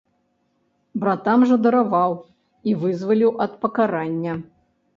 Братам жа дараваў і вызваліў ад пакарання.